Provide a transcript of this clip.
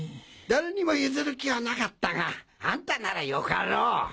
誰にもゆずる気はなかったがあんたなら良かろう！